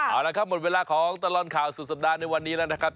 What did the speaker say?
เอาละครับหมดเวลาของตลอดข่าวสุดสัปดาห์ในวันนี้แล้วนะครับ